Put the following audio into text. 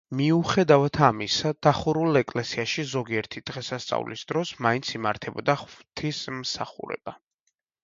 მიუხედავად ამისა, დახურულ ეკლესიაში ზოგიერთი დღესასწაულის დროს მაინც იმართებოდა ღვთისმსახურება.